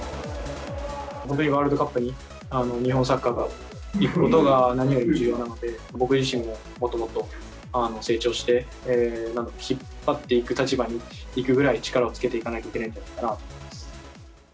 本当にワールドカップに日本サッカーが行くことが何より重要なので、僕自身ももっともっと成長して、引っ張っていく立場に行くぐらい、力をつけていかないといけないかなと思います。